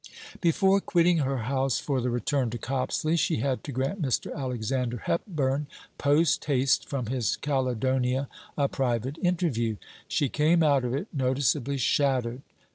Before quitting her house for the return to Copsley, she had to grant Mr. Alexander Hepburn, post haste from his Caledonia, a private interview. She came out of it noticeably shattered.